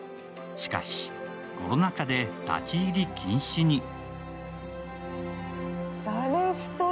しかし、コロナ禍で立入禁止に。